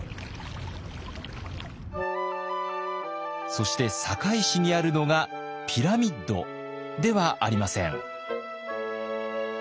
そして堺市にあるのがピラミッド？ではありません。